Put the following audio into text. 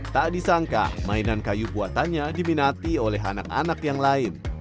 tak disangka mainan kayu buatannya diminati oleh anak anak yang lain